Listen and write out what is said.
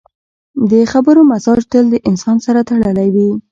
د خبرو مزاج تل د انسان سره تړلی وي